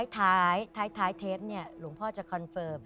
ท้ายเทปหลวงพ่อจะคอนเฟิร์ม